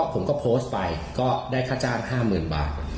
ผมก็โพสต์ไปก็ได้ค่าจ้าง๕๐๐๐บาท